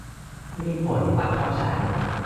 มีผลบังคับใช้